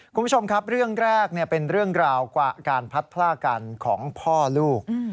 คุณผู้ชมครับเรื่องแรกเป็นเรื่องราวกว่าการพัดพลากกันของพ่อลูก